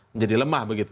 menjadi lemah begitu